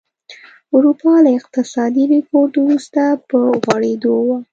اروپا له اقتصادي رکود وروسته په غوړېدو وه.